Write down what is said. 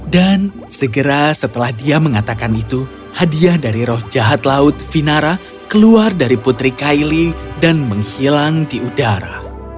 dan segera setelah dia mengatakan itu hadiah dari roh jahat laut vinara keluar dari putri kylie dan menghilang di udara